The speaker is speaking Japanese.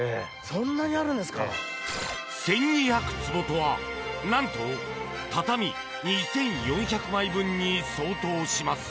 １２００坪とはなんと畳２４００枚分に相当します！